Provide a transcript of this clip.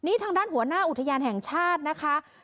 ทางด้านหัวหน้าอุทยานแห่งชาตินะคะ